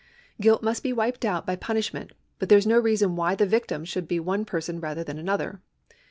Guilt must be wiped out by punishment, but there is no reason why the victim should be one person rather than another.